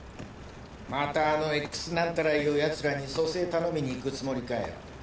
またあのＸなんたらいうヤツらに蘇生頼みに行くつもりかよ？